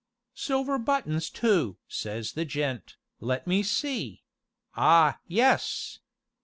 'Silver buttons too!' says the gent, 'let me see ah yes!